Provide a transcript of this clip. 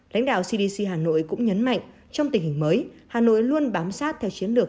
lãnh đạo cdc hà nội cũng nhấn mạnh trong tình hình mới hà nội luôn bám sát theo chiến lược